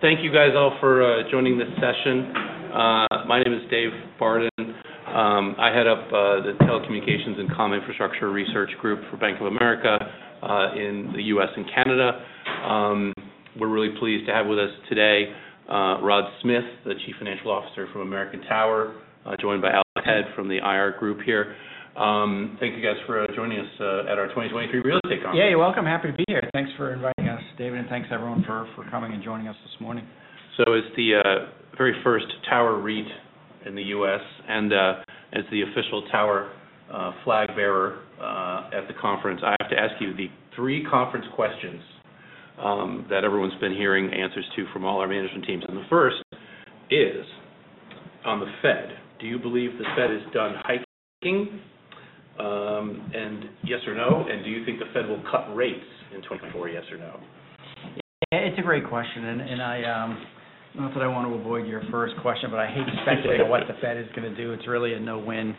Thank you guys all for joining this session. My name is Dave Barden. I head up the Telecommunications and Comm Infrastructure Research Group for Bank of America in the U.S. and Canada. We're really pleased to have with us today Rod Smith, the Chief Financial Officer from American Tower Tower, joined by Alex Head from the IR group here. Thank you guys for joining us at our 2023 Real Estate Conference. Yeah, you're welcome. Happy to be here. Thanks for inviting us, David, and thanks everyone for coming and joining us this morning. So as the very first REIT in the US and as the official flag bearer at the conference, I have to ask you the three conference questions that everyone's been hearing answers to from all our management teams. And the first is on the Fed. Do you believe the Fed is done hiking? And yes or no, and do you think the Fed will cut rates in 2024, yes or no? Yeah, it's a great question, and I not that I want to avoid your first question, but I hate to speculate what the Fed is gonna do. It's really a no-win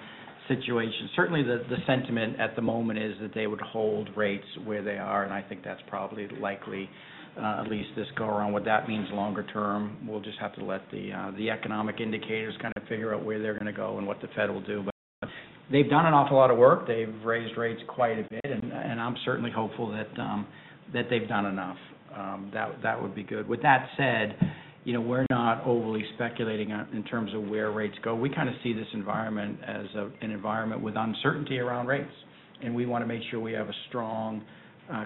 situation. Certainly, the sentiment at the moment is that they would hold rates where they are, and I think that's probably likely, at least this go around. What that means longer term, we'll just have to let the economic indicators kind of figure out where they're gonna go and what the Fed will do. But they've done an awful lot of work. They've raised rates quite a bit, and I'm certainly hopeful that that they've done enough. That would be good. With that said, you know, we're not overly speculating on in terms of where rates go. We kinda see this environment as an environment with uncertainty around rates, and we wanna make sure we have a strong,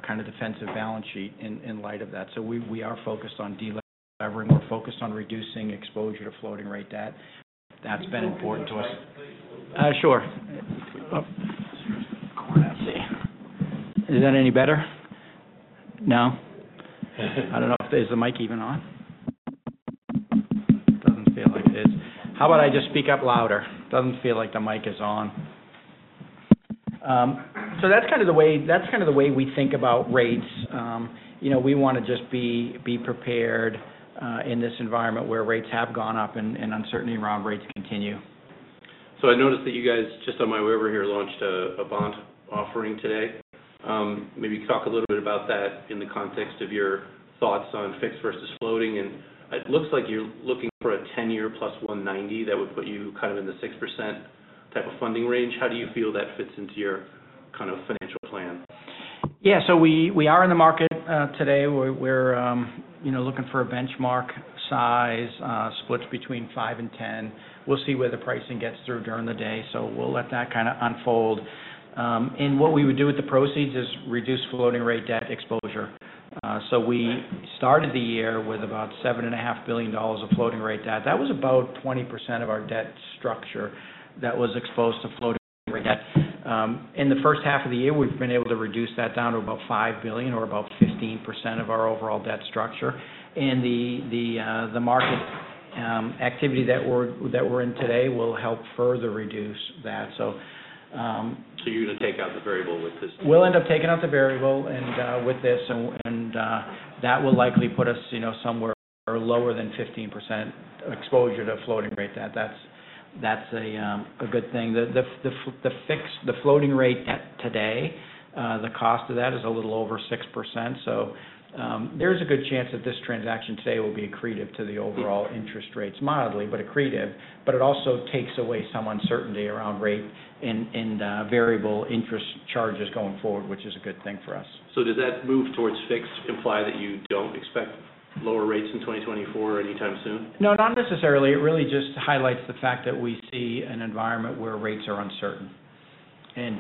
kind of defensive balance sheet in light of that. So we are focused on delevering. We're focused on reducing exposure to floating rate debt. That's been important to us. Sure. Oh, let's see. Is that any better? No? I don't know if is the mic even on? Doesn't feel like it is. How about I just speak up louder? Doesn't feel like the mic is on. So that's kind of the way, that's kind of the way we think about rates. You know, we wanna just be, be prepared, in this environment where rates have gone up and, and uncertainty around rates continue. So I noticed that you guys, just on my way over here, launched a bond offering today. Maybe talk a little bit about that in the context of your thoughts on fixed versus floating, and it looks like you're looking for a 10-year plus 190. That would put you kind of in the 6% type of funding range. How do you feel that fits into your kind of financial plan? Yeah. So we are in the market today, where we're, you know, looking for a benchmark size, splits between five and 10. We'll see where the pricing gets through during the day, so we'll let that kinda unfold. And what we would do with the proceeds is reduce floating rate debt exposure. So we started the year with about $7.5 billion of floating rate debt. That was about 20% of our debt structure that was exposed to floating rate debt. In the first half of the year, we've been able to reduce that down to about $5 billion or about 15% of our overall debt structure. And the market activity that we're in today will help further reduce that. So, You're gonna take out the variable with this? We'll end up taking out the variable and with this, that will likely put us, you know, somewhere lower than 15% exposure to floating rate debt. That's, that's a good thing. The floating rate debt today, the cost of that is a little over 6%. So, there's a good chance that this transaction today will be accretive to the overall interest rates, mildly, but accretive, but it also takes away some uncertainty around rate and variable interest charges going forward, which is a good thing for us. Does that move towards fixed imply that you don't expect lower rates in 2024 anytime soon? No, not necessarily. It really just highlights the fact that we see an environment where rates are uncertain. And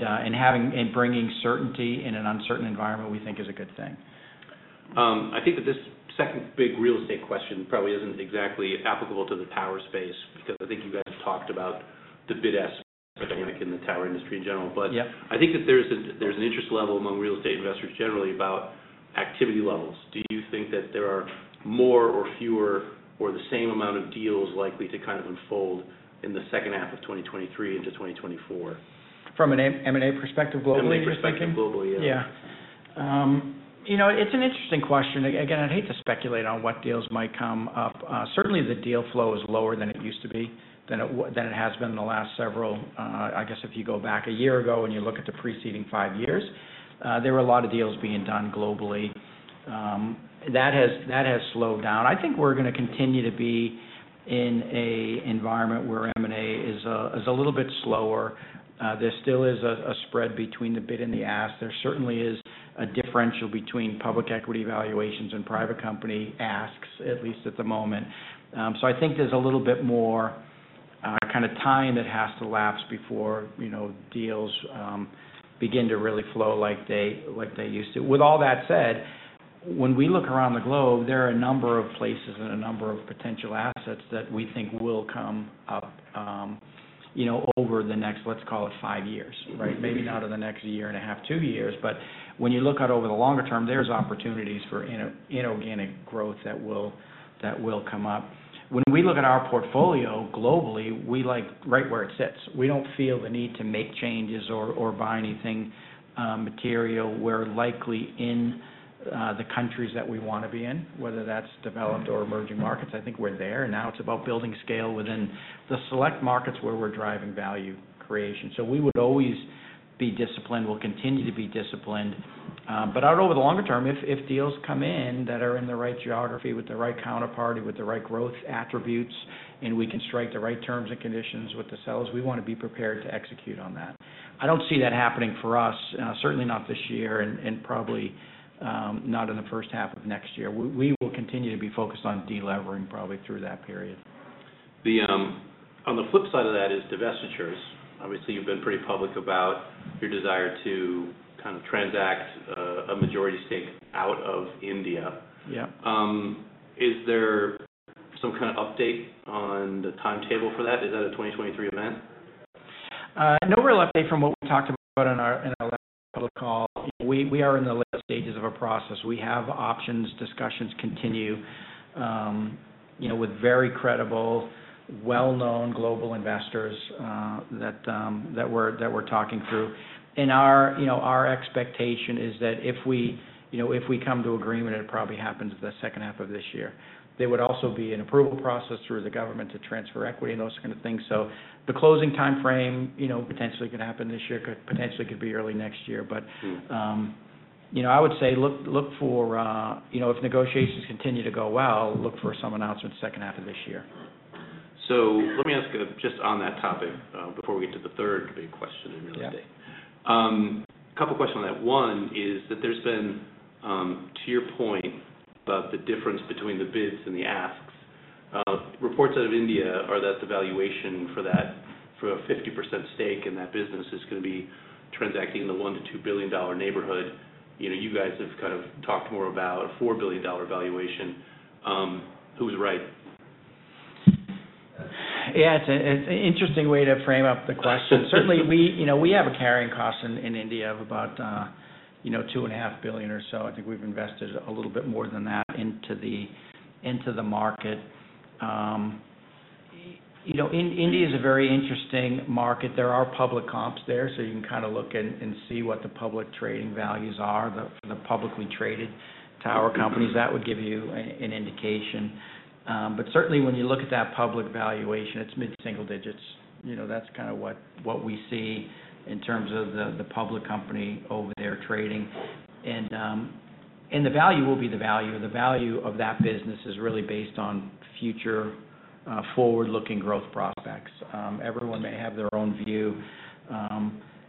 bringing certainty in an uncertain environment, we think is a good thing. I think that this second big real estate question probably isn't exactly applicable to the tower space, because I think you guys talked about the bid-ask dynamic in the industry in general. Yeah. But I think that there's an interest level among real estate investors generally about activity levels. Do you think that there are more or fewer or the same amount of deals likely to kind of unfold in the second half of 2023 into 2024? From an M&A perspective, globally perspective? M&A perspective globally, yeah. Yeah. You know, it's an interesting question. Again, I'd hate to speculate on what deals might come up. Certainly, the deal flow is lower than it used to be, than it has been in the last several. I guess if you go back a year ago and you look at the preceding five years, there were a lot of deals being done globally. That has, that has slowed down. I think we're gonna continue to be in a environment where M&A is a little bit slower. There still is a spread between the bid and the ask. There certainly is a differential between public equity valuations and private company asks, at least at the moment. So I think there's a little bit more kind of time that has to elapse before, you know, deals begin to really flow like they, like they used to. With all that said, when we look around the globe, there are a number of places and a number of potential assets that we think will come up, you know, over the next, let's call it five years, right? Maybe not in the next year and a half, two years, but when you look out over the longer term, there's opportunities for inorganic growth that will, that will come up. When we look at our portfolio globally, we like right where it sits. We don't feel the need to make changes or, or buy anything material. We're likely in the countries that we wanna be in, whether that's developed or emerging markets. I think we're there, and now it's about building scale within the select markets where we're driving value creation. So we would be disciplined. We'll continue to be disciplined. But out over the longer term, if deals come in that are in the right geography, with the right counterparty, with the right growth attributes, and we can strike the right terms and conditions with the sellers, we wanna be prepared to execute on that. I don't see that happening for us, certainly not this year, and probably not in the first half of next year. We will continue to be focused on delevering probably through that period. On the flip side of that is divestitures. Obviously, you've been pretty public about your desire to kind of transact a majority stake out of India. Yeah. Is there some kind of update on the timetable for that? Is that a 2023 event? No real update from what we talked about in our last public call. We are in the later stages of a process. We have options, discussions continue with very credible, well-known global investors that we're talking through. And our expectation is that if we come to agreement, it'll probably happen in the second half of this year. There would also be an approval process through the government to transfer equity and those kind of things. So the closing timeframe potentially could happen this year, potentially could be early next year. But- Mm-hmm. you know, I would say, look, look for, you know, if negotiations continue to go well, look for some announcement second half of this year. So let me ask, just on that topic, before we get to the third big question in real estate. Yeah. A couple questions on that. One, is that there's been, to your point about the difference between the bids and the asks, reports out of India are that the valuation for that, for a 50% stake in that business, is gonna be transacting in the $1 billion-$2 billion neighborhood. You know, you guys have kind of talked more about a $4 billion valuation. Who's right? Yeah, it's an interesting way to frame up the question. Certainly, we, you know, we have a carrying cost in India of about $2.5 billion or so. I think we've invested a little bit more than that into the market. India is a very interesting market. There are public comps there, so you can kind of look and see what the public trading values are, the publicly traded companies. That would give you an indication. But certainly, when you look at that public valuation, it's mid-single digits. You know, that's kind of what we see in terms of the public company over there trading. And the value will be the value. The value of that business is really based on future forward-looking growth prospects. Everyone may have their own view.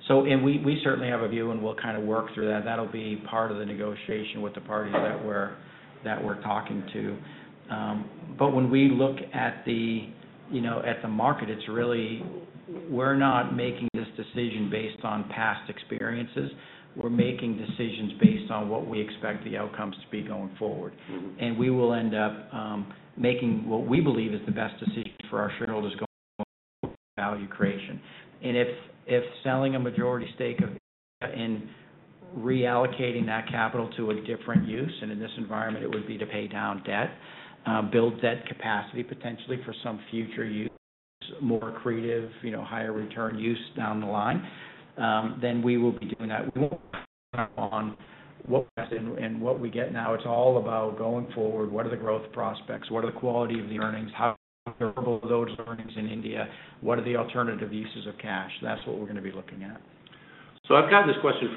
So, we certainly have a view, and we'll kind of work through that. That'll be part of the negotiation with the parties that we're talking to. But when we look at the market, you know, it's really, we're not making this decision based on past experiences. We're making decisions based on what we expect the outcomes to be going forward. Mm-hmm. We will end up making what we believe is the best decision for our shareholders going, value creation. And if selling a majority stake of India and reallocating that capital to a different use, and in this environment it would be to pay down debt, build debt capacity potentially for some future use, more creative, you know, higher return use down the line, then we will be doing that. We won't on what and what we get now, it's all about going forward, what are the growth prospects? What are the quality of the earnings? How those earnings in India, what are the alternative uses of cash? That's what we're gonna be looking at. So I've gotten this question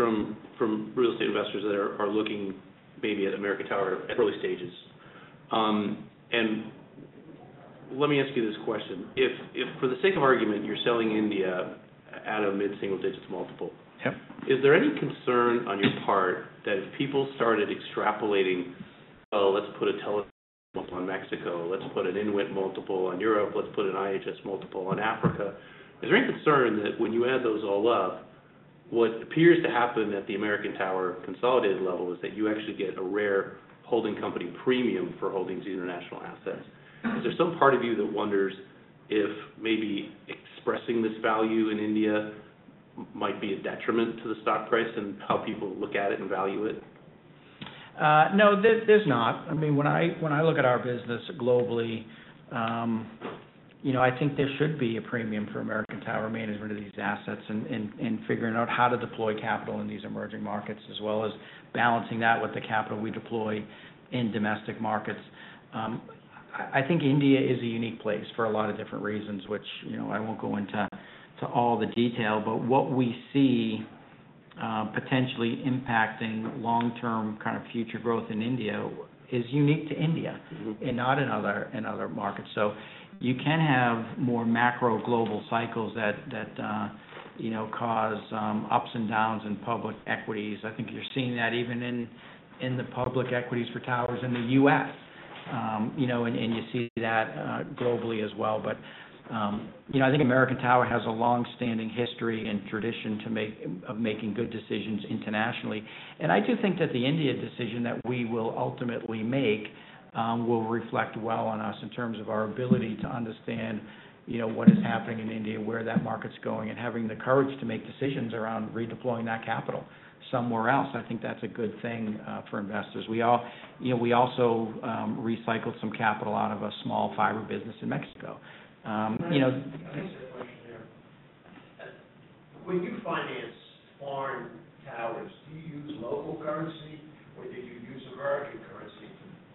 from real estate investors that are looking maybe at American Tower at early stages. Let me ask you this question: If for the sake of argument, you're selling India at a mid-single digits multiple- Yep. Is there any concern on your part that if people started extrapolating, "Oh, let's put a Telesites up on Mexico. Let's put an INWIT multiple on Europe. Let's put an IHS multiple on Africa," is there any concern that when you add those all up, what appears to happen at the American Tower Tower consolidated level is that you actually get a rare holding company premium for holding these international assets? Is there some part of you that wonders if maybe expressing this value in India might be a detriment to the stock price and how people look at it and value it? No, there, there's not. I mean, when I look at our business globally, you know, I think there should be a premium for American Tower management of these assets and figuring out how to deploy capital in these emerging markets, as well as balancing that with the capital we deploy in domestic markets. I think India is a unique place for a lot of different reasons, which, you know, I won't go into, to all the detail. But what we see, potentially impacting long-term kind of future growth in India is unique to India- Mm-hmm and not in other markets. So you can have more macro global cycles that you know cause ups and downs in public equities. I think you're seeing that even in the public equities for s in the U.S. You know, you see that globally as well. But you know, I think American Tower has a long-standing history and tradition to make, of making good decisions internationally. And I do think that the India decision that we will ultimately make will reflect well on us in terms of our ability to understand you know what is happening in India, where that market's going, and having the courage to make decisions around redeploying that capital somewhere else. I think that's a good thing for investors. You know, we also recycled some capital out of a small fiber business in Mexico. You know- Can I ask a question there? When you finance foreign s, do you use local currency, or do you use American Tower currency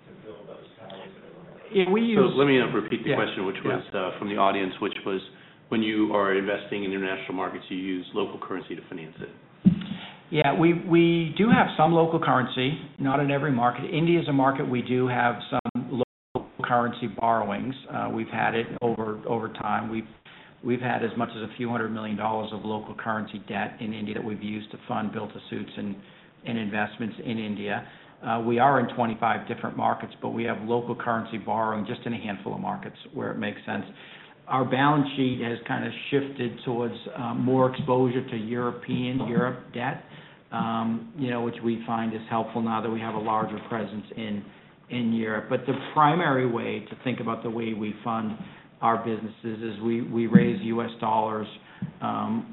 to build those s that are on? Yeah, we use- Let me repeat the question- Yeah... which was, from the audience, which was: When you are investing in international markets, you use local currency to finance it? ... Yeah, we do have some local currency, not in every market. India is a market we do have some local currency borrowings. We've had it over time. We've had as much as a few hundred million dollars of local currency debt in India, that we've used to fund build-to-suits and investments in India. We are in 25 different markets, but we have local currency borrowing just in a handful of markets where it makes sense. Our balance sheet has kind of shifted towards more exposure to European Europe debt, you know, which we find is helpful now that we have a larger presence in Europe. But the primary way to think about the way we fund our businesses is we raise U.S. dollars,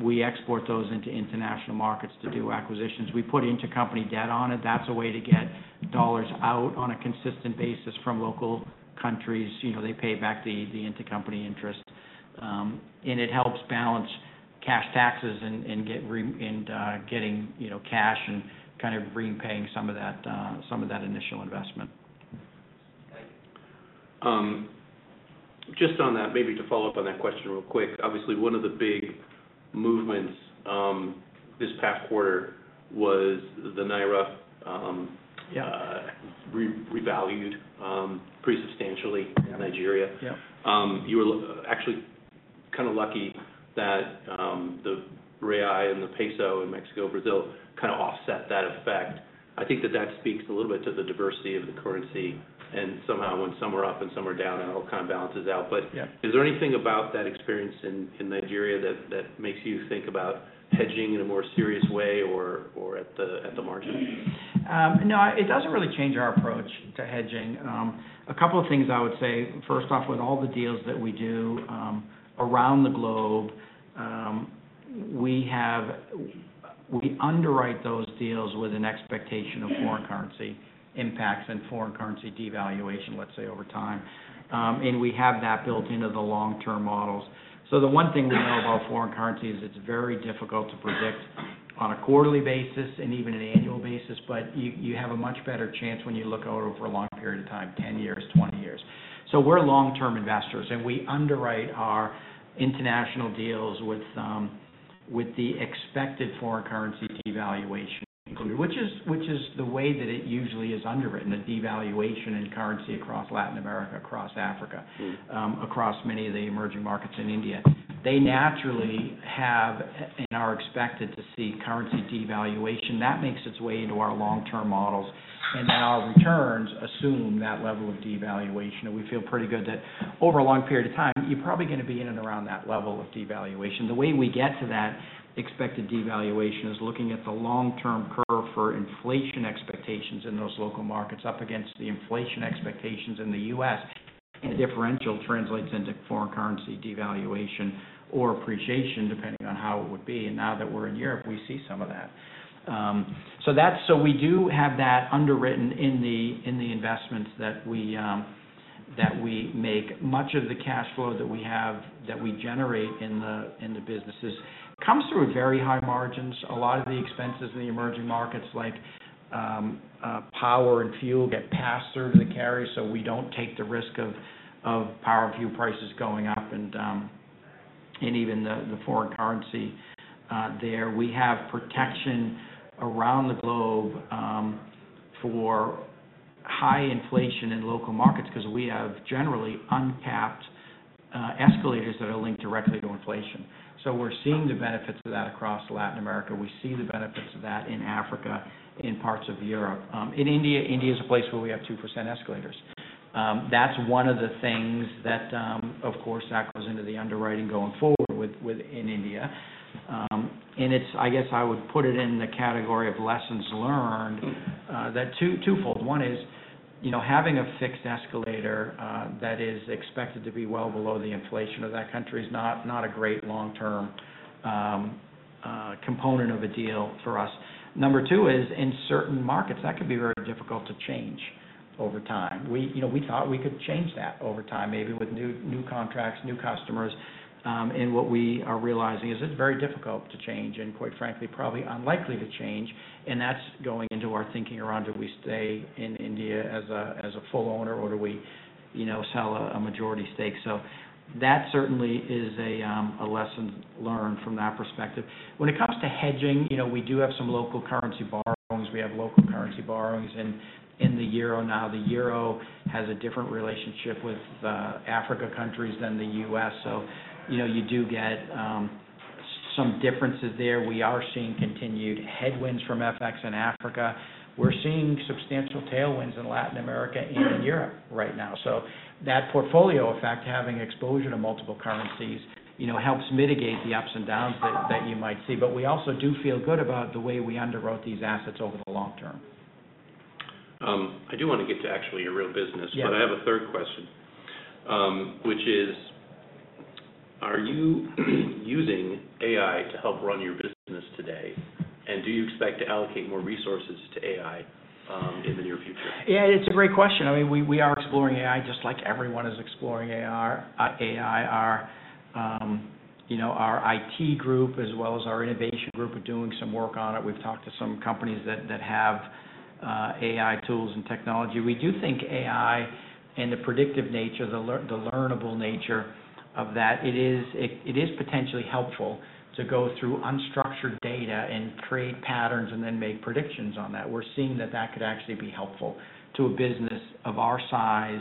we export those into international markets to do acquisitions. We put intercompany debt on it. That's a way to get dollars out on a consistent basis from local countries. You know, they pay back the intercompany interest, and it helps balance cash taxes and getting, you know, cash and kind of repaying some of that initial investment. Just on that, maybe to follow up on that question real quick. Obviously, one of the big movements, this past quarter was the Naira, Yeah. Revalued pretty substantially in Nigeria. Yeah. You were actually kind of lucky that the Real and the Peso in Mexico, Brazil, kind of offset that effect. I think that that speaks a little bit to the diversity of the currency, and somehow when some are up and some are down, it all kind of balances out. Yeah. But is there anything about that experience in Nigeria that makes you think about hedging in a more serious way or at the margin? No, it doesn't really change our approach to hedging. A couple of things I would say. First off, with all the deals that we do, around the globe, we underwrite those deals with an expectation of foreign currency impacts and foreign currency devaluation, let's say, over time. And we have that built into the long-term models. So the one thing we know about foreign currency is it's very difficult to predict on a quarterly basis and even an annual basis, but you have a much better chance when you look out over a long period of time, 10 years, 20 years. So we're long-term investors, and we underwrite our international deals with, with the expected foreign currency devaluation included, which is, which is the way that it usually is underwritten, the devaluation in currency across Latin America, across Africa, across many of the emerging markets in India. They naturally have and are expected to see currency devaluation. That makes its way into our long-term models, and then our returns assume that level of devaluation, and we feel pretty good that over a long period of time, you're probably gonna be in and around that level of devaluation. The way we get to that expected devaluation is looking at the long-term curve for inflation expectations in those local markets, up against the inflation expectations in the U.S., and the differential translates into foreign currency devaluation or appreciation, depending on how it would be. And now that we're in Europe, we see some of that. So that's so we do have that underwritten in the, in the investments that we, that we make. Much of the cash flow that we have, that we generate in the, in the businesses, comes through at very high margins. A lot of the expenses in the emerging markets, like, power and fuel, get passed through the carrier, so we don't take the risk of, of power and fuel prices going up and, and even the, the foreign currency. There we have protection around the globe, for high inflation in local markets, 'cause we have generally uncapped, escalators that are linked directly to inflation. So we're seeing the benefits of that across Latin America. We see the benefits of that in Africa, in parts of Europe. In India, India is a place where we have 2% escalators. That's one of the things that... Of course, that goes into the underwriting going forward with, with in India. And it's—I guess I would put it in the category of lessons learned, that two-fold. One is, you know, having a fixed escalator, that is expected to be well below the inflation of that country, is not, not a great long-term, component of a deal for us. Number two is, in certain markets, that could be very difficult to change over time. We, you know, we thought we could change that over time, maybe with new, new contracts, new customers. And what we are realizing is it's very difficult to change and, quite frankly, probably unlikely to change. And that's going into our thinking around, do we stay in India as a full owner, or do we, you know, sell a majority stake? So that certainly is a lesson learned from that perspective. When it comes to hedging, you know, we do have some local currency borrowings. We have local currency borrowings in the euro now. The euro has a different relationship with African countries than the U.S., so you know, you do get some differences there. We are seeing continued headwinds from FX in Africa. We're seeing substantial tailwinds in Latin America and in Europe right now. So that portfolio effect, having exposure to multiple currencies, you know, helps mitigate the ups and downs that you might see. But we also do feel good about the way we underwrote these assets over the long term. I do want to get to actually your real business- Yeah. But I have a third question. Which is, are you using AI to help run your business today, and do you expect to allocate more resources to AI in the near future? Yeah, it's a great question. I mean, we are exploring AI just like everyone is exploring AR, AI. Our you know, our IT group as well as our innovation group are doing some work on it. We've talked to some companies that have AI tools and technology. We do think AI and the predictive nature, the learnable nature of that, it is potentially helpful to go through unstructured data and create patterns and then make predictions on that. We're seeing that that could actually be helpful to a business of our size,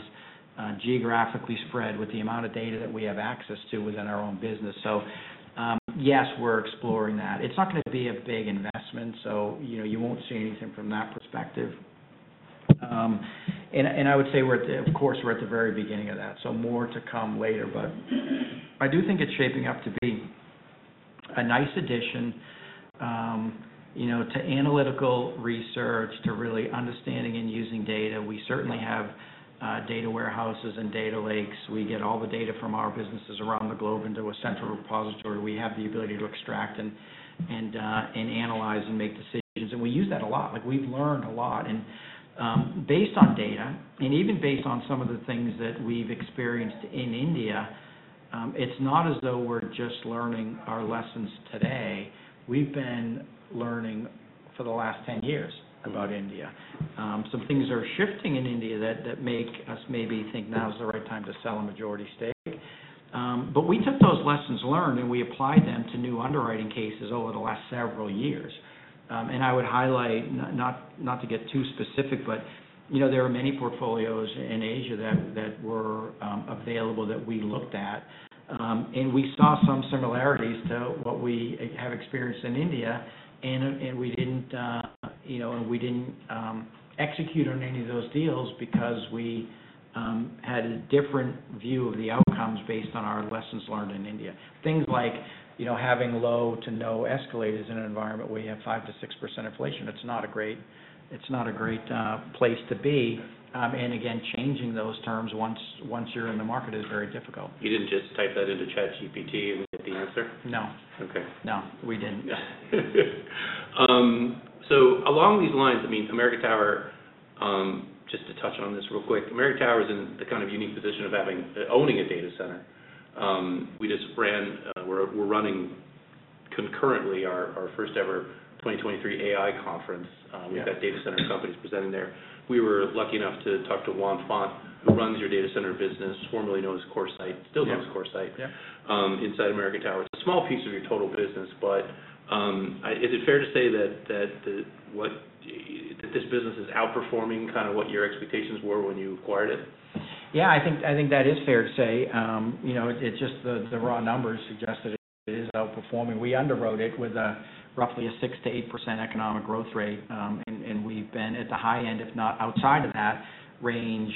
geographically spread with the amount of data that we have access to within our own business. So, yes, we're exploring that. It's not gonna be a big investment, so you know, you won't see anything from that perspective. I would say we're at the—of course, we're at the very beginning of that, so more to come later. But I do think it's shaping up to be a nice addition, you know, to analytical research, to really understanding and using data. We certainly have data warehouses and data lakes. We get all the data from our businesses around the globe into a central repository. We have the ability to extract and analyze, and make decisions, and we use that a lot. Like, we've learned a lot. And based on data, and even based on some of the things that we've experienced in India, it's not as though we're just learning our lessons today. We've been learning for the last 10 years about India. Some things are shifting in India that make us maybe think now is the right time to sell a majority stake. But we took those lessons learned, and we applied them to new underwriting cases over the last several years. And I would highlight, not to get too specific, but you know, there are many portfolios in Asia that were available that we looked at. And we saw some similarities to what we have experienced in India, and we didn't, you know, execute on any of those deals because we had a different view of the outcomes based on our lessons learned in India. Things like, you know, having low to no escalators in an environment where you have 5%-6% inflation, it's not a great place to be. And again, changing those terms once you're in the market is very difficult. You didn't just type that into ChatGPT and get the answer? No. Okay. No, we didn't. So along these lines, I mean, American Tower just to touch on this real quick. American Tower is in the kind of unique position of owning a data center. We're running concurrently our first-ever 2023 AI conference. Yeah. We've got data center companies presenting there. We were lucky enough to talk to Juan Font, who runs your data center business, formerly known as CoreSite. Yeah. Still known as CoreSite- Yeah. inside American Tower. It's a small piece of your total business, but, is it fair to say that this business is outperforming kind of what your expectations were when you acquired it? Yeah, I think, I think that is fair to say. You know, it's just the, the raw numbers suggest that it is outperforming. We underwrote it with a roughly a 6%-8% economic growth rate, and, and we've been at the high end, if not outside of that range,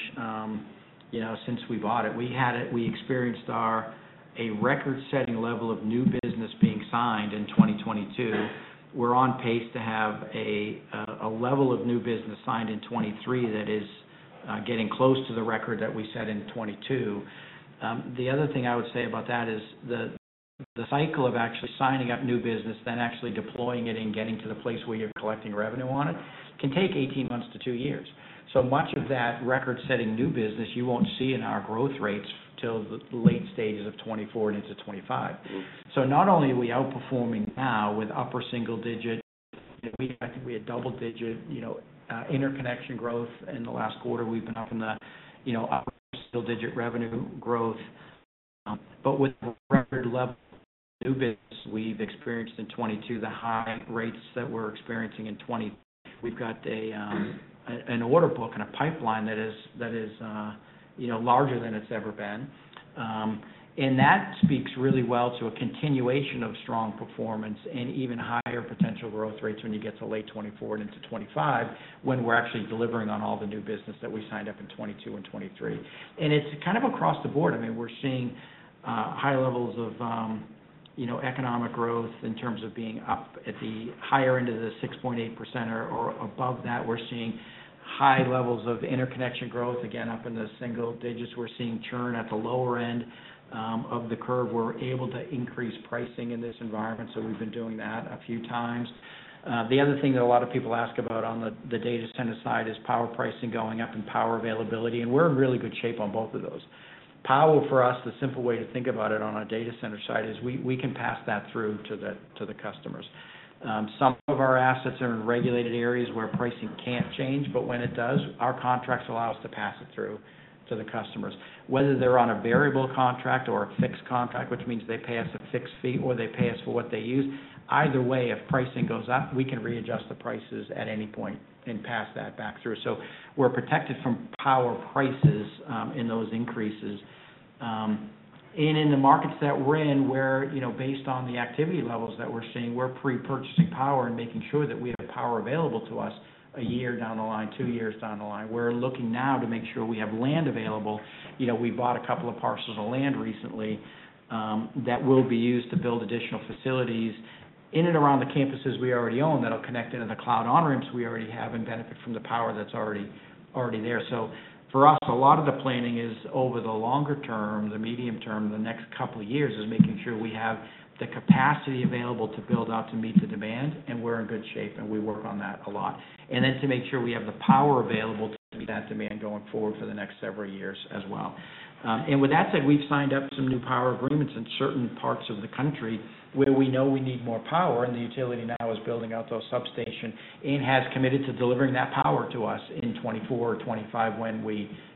you know, since we bought it. We experienced our, a record-setting level of new business being signed in 2022. We're on pace to have a, a level of new business signed in 2023 that is, getting close to the record that we set in 2022. The other thing I would say about that is the, the cycle of actually signing up new business, then actually deploying it and getting to the place where you're collecting revenue on it, can take 18 months to two years. So much of that record-setting new business, you won't see in our growth rates till the late stages of 2024 and into 2025. Mm. So not only are we outperforming now with upper single-digit, I think we had double-digit, you know, interconnection growth in the last quarter. We've been up in the, you know, upper single-digit revenue growth. But with the record level of new business we've experienced in 2022, the high rates that we're experiencing in 2023, we've got a, an order book and a pipeline that is, you know, larger than it's ever been. And that speaks really well to a continuation of strong performance and even higher potential growth rates when you get to late 2024 and into 2025, when we're actually delivering on all the new business that we signed up in 2022 and 2023. And it's kind of across the board. I mean, we're seeing high levels of, you know, economic growth in terms of being up at the higher end of the 6.8% or, or above that. We're seeing high levels of interconnection growth, again, up in the single digits. We're seeing churn at the lower end, of the curve. We're able to increase pricing in this environment, so we've been doing that a few times. The other thing that a lot of people ask about on the, the data center side is power pricing going up and power availability, and we're in really good shape on both of those. Power, for us, the simple way to think about it on our data center side is we, we can pass that through to the, to the customers. Some of our assets are in regulated areas where pricing can't change, but when it does, our contracts allow us to pass it through to the customers. Whether they're on a variable contract or a fixed contract, which means they pay us a fixed fee, or they pay us for what they use, either way, if pricing goes up, we can readjust the prices at any point and pass that back through. So we're protected from power prices in those increases. And in the markets that we're in, where, you know, based on the activity levels that we're seeing, we're pre-purchasing power and making sure that we have power available to us a year down the line, two years down the line. We're looking now to make sure we have land available. You know, we bought a couple of parcels of land recently that will be used to build additional facilities in and around the campuses we already own, that'll connect into the cloud on-ramps we already have and benefit from the power that's already there. So for us, a lot of the planning is over the longer term, the medium term, the next couple of years, is making sure we have the capacity available to build out to meet the demand, and we're in good shape, and we work on that a lot. Then to make sure we have the power available to meet that demand going forward for the next several years as well. And with that said, we've signed up some new power agreements in certain parts of the country where we know we need more power, and the utility now is building out those substations and has committed to delivering that power to us in 2024 or 2025,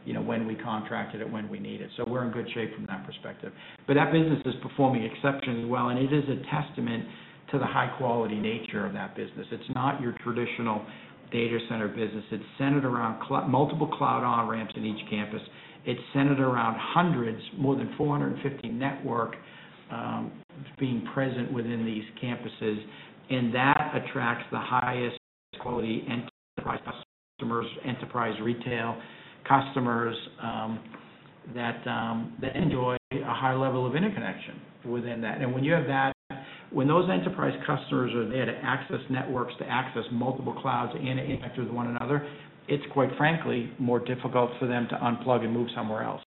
you know, when we contracted it, when we need it. So we're in good shape from that perspective. But that business is performing exceptionally well, and it is a testament to the high-quality nature of that business. It's not your traditional data center business. It's centered around multiple cloud on-ramps in each campus. It's centered around hundreds, more than 450 networks being present within these campuses, and that attracts the highest quality enterprise customers, enterprise retail customers, that enjoy a high level of interconnection within that. And when you have that, when those enterprise customers are there to access networks, to access multiple clouds and interact with one another, it's quite frankly more difficult for them to unplug and move somewhere else.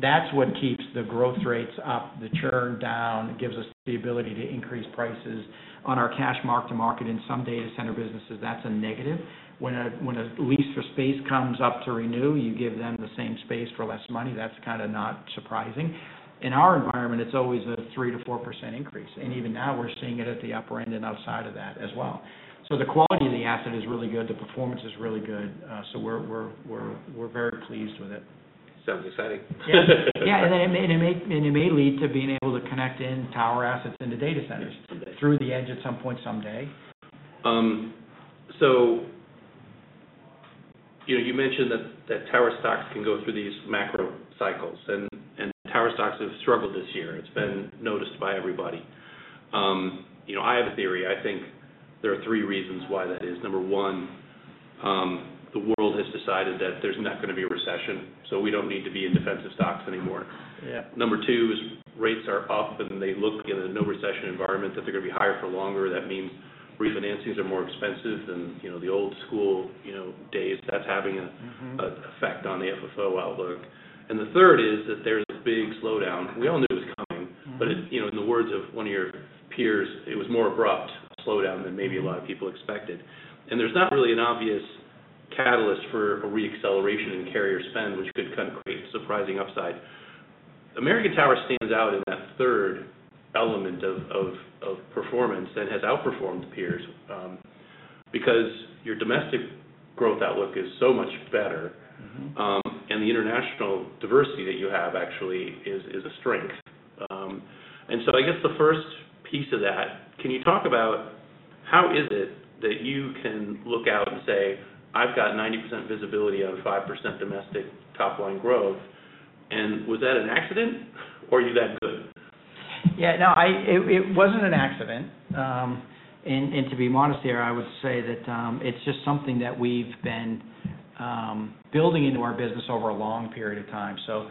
That's what keeps the growth rates up, the churn down; it gives us the ability to increase prices on our cash mark-to-market. In some data center businesses, that's a negative. When a lease for space comes up to renew, you give them the same space for less money. That's kinda not surprising. In our environment, it's always a 3%-4% increase, and even now we're seeing it at the upper end and outside of that as well. So the quality of the asset is really good, the performance is really good, so we're very pleased with it. Sounds exciting. Yeah. Yeah, and it may lead to being able to connect assets into data centers, through the edge at some point, someday. So, you know, you mentioned that stocks can go through these macro cycles, and stocks have struggled this year. It's been noticed by everybody. You know, I have a theory. I think there are three reasons why that is. Number one, the world has decided that there's not gonna be a recession, so we don't need to be in defensive stocks anymore. Yeah. Number two is rates are up, and they look in a no recession environment, that they're gonna be higher for longer. That means refinancings are more expensive than, you know, the old school, you know, days. That's having a- Mm-hmm... an effect on the FFO outlook. The third is that there's a big slowdown. We all knew it was coming- Mm-hmm. but it, you know, in the words of one of your peers, "It was more abrupt slowdown than maybe a lot of people expected." And there's not really an obvious catalyst for a re-acceleration in carrier spend, which could kind of create surprising upside. American Tower stands out in that third element of performance, and has outperformed peers, because your domestic growth outlook is so much better. Mm-hmm. and the international diversity that you have actually is a strength. and so I guess the first piece of that, can you talk about how is it that you can look out and say, "I've got 90% visibility on 5% domestic top line growth?" Was that an accident, or are you that good? Yeah. No, it wasn't an accident. And to be modest here, I would say that it's just something that we've been building into our business over a long period of time. So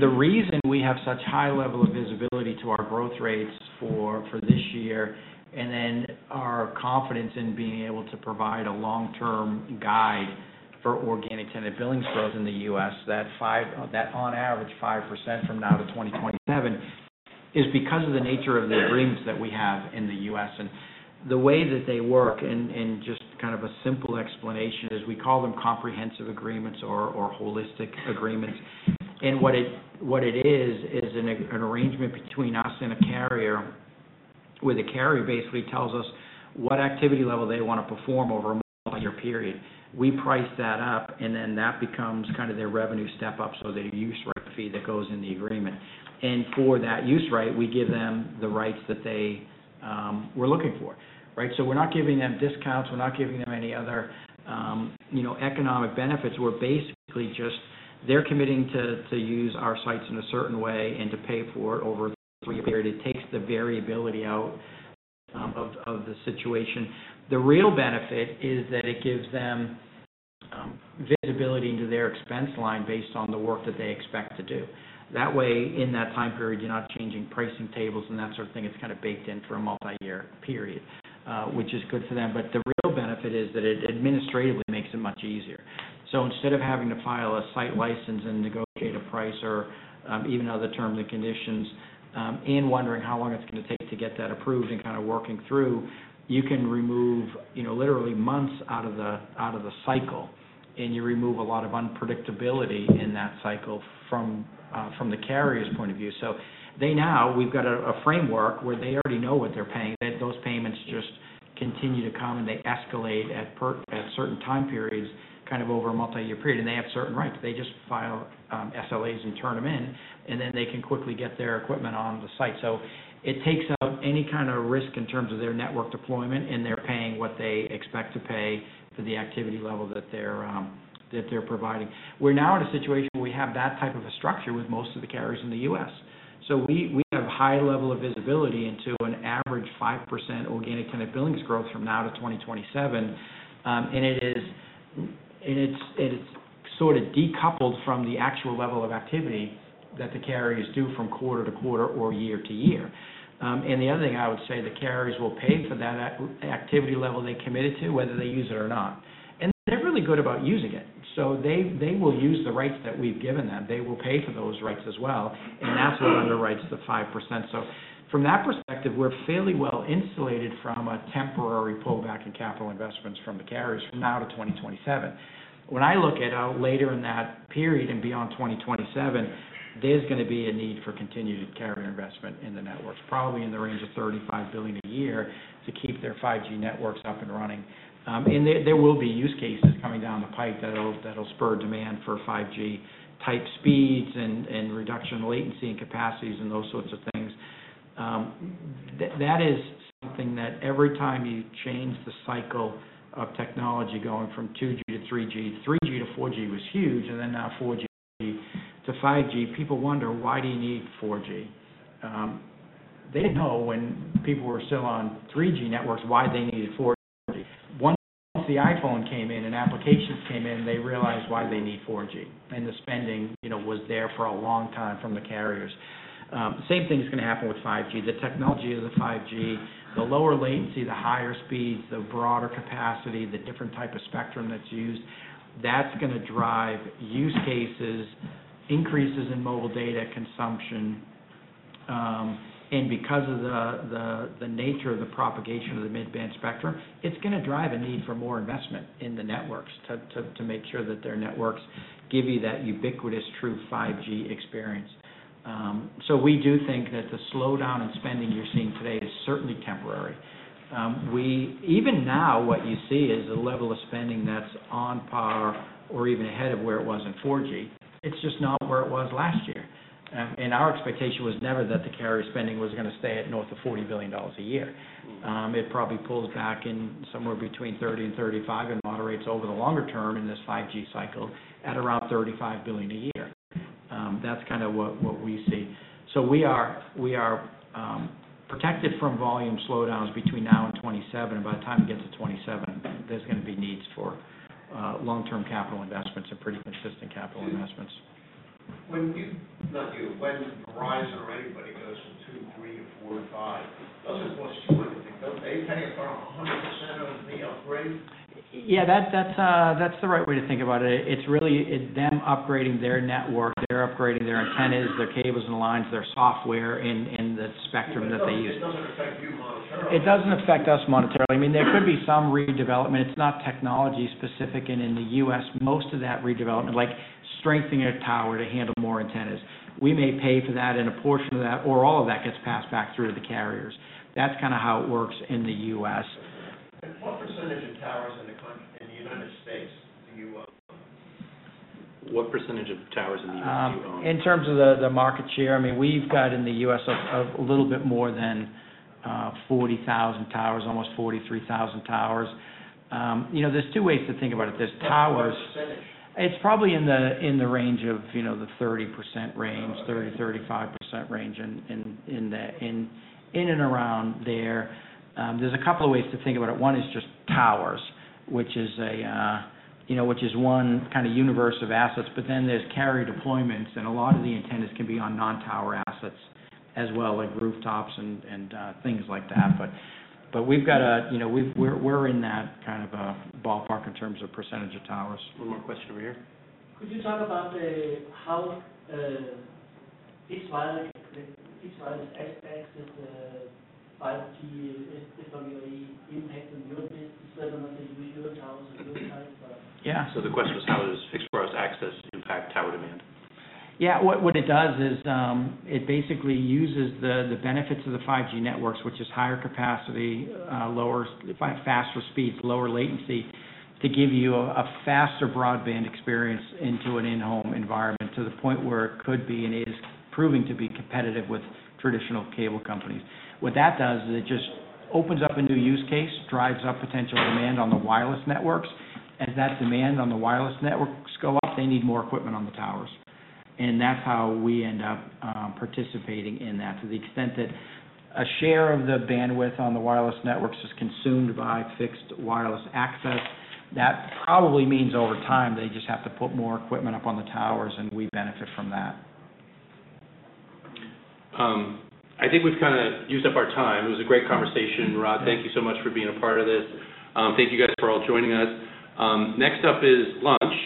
the reason we have such high level of visibility to our growth rates for this year, and then our confidence in being able to provide a long-term guide for organic tenant billings growth in the U.S., that, on average, 5% from now to 2027, is because of the nature of the agreements that we have in the U.S. And the way that they work, and just kind of a simple explanation is, we call them comprehensive agreements or holistic agreements. What it is is an arrangement between us and a carrier, where the carrier basically tells us what activity level they wanna perform over a multiyear period. We price that up, and then that becomes kind of their revenue step up, so the use right fee that goes in the agreement. And for that use right, we give them the rights that they were looking for, right? So we're not giving them discounts, we're not giving them any other, you know, economic benefits. We're basically just. They're committing to use our sites in a certain way and to pay for it over a period. It takes the variability out of the situation. The real benefit is that it gives them visibility into their expense line based on the work that they expect to do. That way, in that time period, you're not changing pricing tables and that sort of thing. It's kind of baked in for a multiyear period, which is good for them. But the real benefit is that it administratively makes it much easier. So instead of having to file a site license and negotiate a price or, even other terms and conditions, and wondering how long it's gonna take to get that approved and kind of working through, you can remove, you know, literally months out of the, out of the cycle, and you remove a lot of unpredictability in that cycle from, from the carrier's point of view. So they now—we've got a, a framework where they already know what they're paying. Those payments just continue to come and they escalate at certain time periods, kind of over a multiyear period, and they have certain rights. They just file SLAs and turn them in, and then they can quickly get their equipment on the site. So it takes out any kind of risk in terms of their network deployment, and they're paying what they expect to pay for the activity level that they're providing. We're now in a situation where we have that type of a structure with most of the carriers in the U.S. So we have high level of visibility into an average 5% organic tenant billings growth from now to 2027. And it's sort of decoupled from the actual level of activity that the carriers do from quarter to quarter or year to year. And the other thing I would say, the carriers will pay for that activity level they committed to, whether they use it or not. And they're really good about using it. So they, they will use the rights that we've given them. They will pay for those rights as well, and that's what underwrites the 5%. So from that perspective, we're fairly well insulated from a temporary pullback in capital investments from the carriers from now to 2027. When I look ahead later in that period and beyond 2027, there's gonna be a need for continued carrier investment in the networks, probably in the range of $35 billion a year, to keep their 5G networks up and running. And there will be use cases coming down the pipe that'll spur demand for 5G-type speeds and reduction in latency and capacities, and those sorts of things. That is something that every time you change the cycle of technology, going from 2G to 3G, 3G to 4G was huge, and then now 4G to 5G, people wonder, why do you need 4G? They know when people were still on 3G networks, why they needed 4G. Once the iPhone came in and applications came in, they realized why they need 4G, and the spending, you know, was there for a long time from the carriers. Same thing is gonna happen with 5G. The technology of the 5G, the lower latency, the higher speeds, the broader capacity, the different type of spectrum that's used, that's gonna drive use cases, increases in mobile data consumption, and because of the nature of the propagation of the mid-band spectrum, it's gonna drive a need for more investment in the networks to make sure that their networks give you that ubiquitous true 5G experience. So we do think that the slowdown in spending you're seeing today is certainly temporary. Even now, what you see is a level of spending that's on par or even ahead of where it was in 4G. It's just not where it was last year. And our expectation was never that the carrier spending was gonna stay at north of $40 billion a year. It probably pulls back in somewhere between 30 and 35, and moderates over the longer term in this 5G cycle at around $35 billion a year. That's kinda what, what we see. So we are, we are, protected from volume slowdowns between now and 2027. By the time it gets to 2027, there's gonna be needs for, long-term capital investments and pretty consistent capital investments. When you, not you, when Verizon or anybody goes from 2, 3 to 4 to 5, those are costs too, don't they? They pay 100% of the upgrade. Yeah, that's the right way to think about it. It's really them upgrading their network. They're upgrading their antennas, their cables and the lines, their software in the spectrum that they use. It doesn't affect you monetarily. It doesn't affect us monetarily. I mean, there could be some redevelopment. It's not technology specific, and in the U.S., most of that redevelopment, like strengthening a to handle more antennas, we may pay for that, and a portion of that or all of that gets passed back through to the carriers. That's kinda how it works in the U.S. What percentage of s in the country, in the United States do you own? What percentage of s in the U.S. do you own? In terms of the market share, I mean, we've got in the U.S. a little bit more than 40,000 s, almost 43,000 s. You know, there's two ways to think about it. There's s- It's probably in the range of, you know, the 30% range, 30%-35% range in and around there. There's a couple of ways to think about it. One is just s, which is, you know, which is one kind of universe of assets, but then there's carrier deployments, and a lot of the antennas can be on non- assets as well, like rooftops and things like that. But we've got, you know, we're in that kind of ballpark in terms of percentage of s. One more question over here. Could you talk about how each fixed wireless access, the 5G, impact on your business, whether you use s or not? Yeah. The question was, how does Fixed Wireless Access impact demand? Yeah. What, what it does is, it basically uses the, the benefits of the 5G networks, which is higher capacity, lower, faster speeds, lower latency, to give you a faster broadband experience into an in-home environment, to the point where it could be, and it is proving to be competitive with traditional cable companies. What that does is it just opens up a new use case, drives up potential demand on the wireless networks. As that demand on the wireless networks go up, they need more equipment on the s. And that's how we end up, participating in that to the extent that a share of the bandwidth on the wireless networks is consumed by fixed wireless access. That probably means over time, they just have to put more equipment up on the s, and we benefit from that. I think we've kinda used up our time. It was a great conversation, Rod. Thank you so much for being a part of this. Thank you guys for all joining us. Next up is lunch,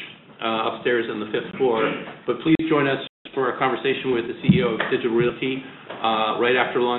upstairs on the fifth floor. But please join us for a conversation with the CEO of Digital Realty, right after lunch.